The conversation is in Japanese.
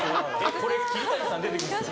これ桐谷さん出てくるんですよね？